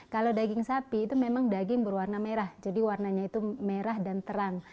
kalau daging sapi itu memang daging berwarna merah jadi warnanya itu merah dan terang